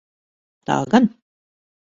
Tā gan.